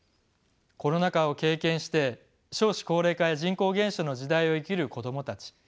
コロナ禍を経験して少子高齢化や人口減少の時代を生きる子どもたち。